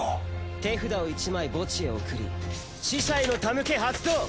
手札を１枚墓地へ送り死者への手向け発動！